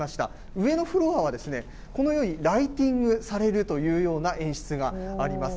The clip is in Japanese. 上のフロアは、このようにライティングされるというような演出があります。